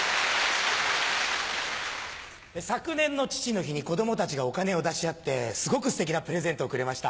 昨年の父の日に子供たちがお金を出し合ってすごくステキなプレゼントをくれました。